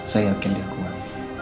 saya yakin dia kuat